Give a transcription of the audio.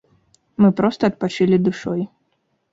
Мы проста адпачылі душой.